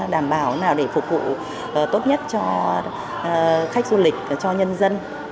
đảm bảo nào để phục vụ tốt nhất cho khách du lịch cho nhân dân